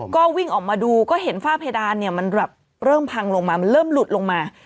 ก็วิ่งออกมาดูก็เห็นฝ้าเพดานเนี่ยมันแบบเริ่มพังลงมามันเริ่มหลุดลงมา